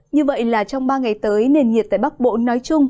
như vậy là trong ba ngày tới nền nhiệt tại bắc bộ nói chung